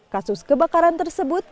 kasus kebakaran tersebut